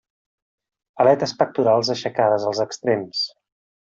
Aletes pectorals aixecades als extrems.